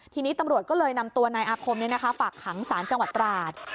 ทีนี้ตำรวจก็เลยนำตัวนายอาคมฝากขังสารจังหวัดตราด